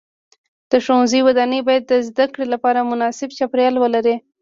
د ښوونځي ودانۍ باید د زده کړې لپاره مناسب چاپیریال ولري.